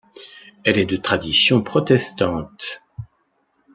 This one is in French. Elle est de tradition protestante.